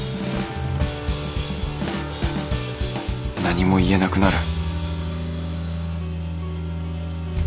何も言えなくなる